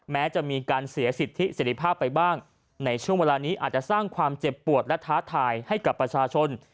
แม้จะมีการเสียสิทธิเสร็จภาพไปบ้างในช่วงเวลานี้อาจจะสร้างความเจ็บปวดและท้าทายให้กับประชาชน